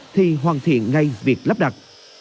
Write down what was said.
thì hoàn thiện ngay việc lắp đặt